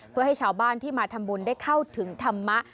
เพื่อให้ชาวบ้านที่มาทำบุญได้เข้าถึงธรรมะ